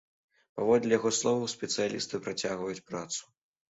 Паводле яго словаў, спецыялісты працягваюць працу.